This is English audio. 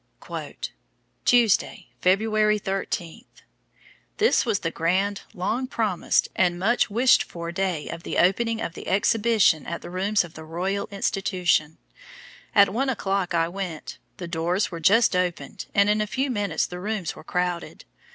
"Tuesday, February 13. This was the grand, long promised, and much wished for day of the opening of the Exhibition at the rooms of the Royal Institution. At one o'clock I went, the doors were just opened, and in a few minutes the rooms were crowded.